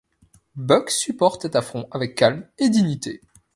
Buck supporte cet affront avec calme et dignité.